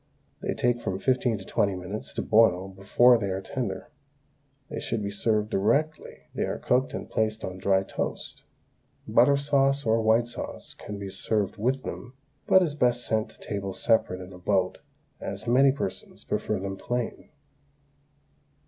They take from fifteen to twenty minutes to boil before they are tender. They should be served directly they are cooked and placed on dry toast. Butter sauce or white sauce can be served with them, but is best sent to table separate in a boat, as many persons prefer them plain.